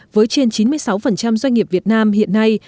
với trên chín mươi sáu doanh nghiệp việt nam hiện nay